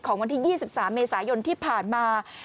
วันที่๒๓เมษายนที่ผ่านมา